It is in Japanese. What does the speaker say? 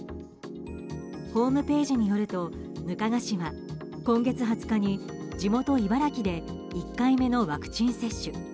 ホームページによると額賀氏は、今月２０日に地元・茨城で１回目のワクチン接種。